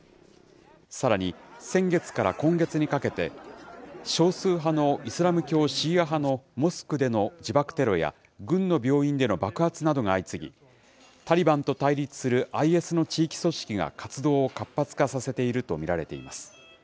さらに先月から今月にかけて、少数派のイスラム教シーア派のモスクでの自爆テロや軍の病院での爆発などが相次ぎ、タリバンと対立するＩＳの地域組織が活動を活発化させていると見られています。